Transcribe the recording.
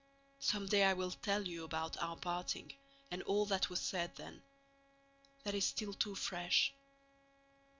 Someday I will tell you about our parting and all that was said then. That is still too fresh.